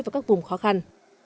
và các vùng khó khăn